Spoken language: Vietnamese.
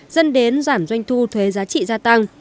dẫn đến giảm doanh thu thuế giá trị gia tăng